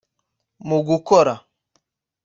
mu gukora